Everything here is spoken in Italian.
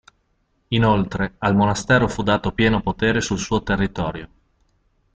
Inoltre, al monastero fu dato pieno potere sul suo territorio.